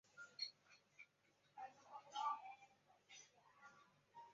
本征模函数任意一点的瞬时频率都是有意义的。